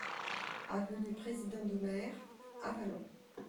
Avenue Président Doumer, Avallon